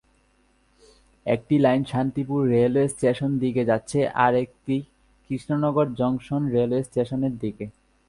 একটি line Shantipur railway station দিকে যাচ্ছে আর একটি কৃষ্ণনগর জংশন রেলওয়ে স্টেশন দিকে।